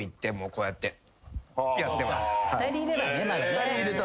２人いると。